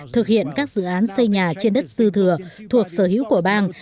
thực hiện các dự án xây nhà trên đất dư thừa thuộc sở hữu của bang